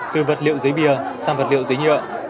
từ vật liệu giấy bìa sang vật liệu giấy nhựa